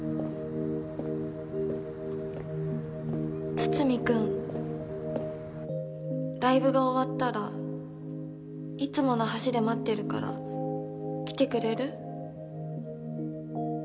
筒見君ライブが終わったらいつもの橋で待ってるから来てくれる？